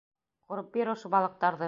Ҡурып бир ошо балыҡтарҙы.